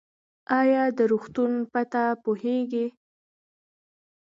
ایا د روغتون پته پوهیږئ؟